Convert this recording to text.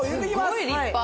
すごい立派。